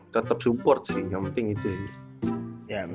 tetep support sih yang penting gitu ya